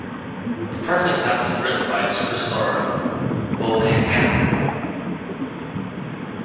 The preface has been written by superstar Mohanlal.